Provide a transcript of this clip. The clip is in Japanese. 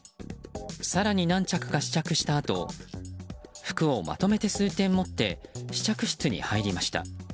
更に何着か試着したあと服をまとめて数点持って試着室に入りました。